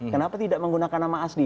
kenapa tidak menggunakan nama asli